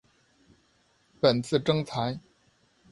本次征才